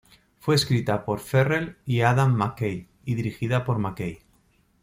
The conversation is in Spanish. Fue escrita por Ferrell y Adam McKay, y dirigida por McKay.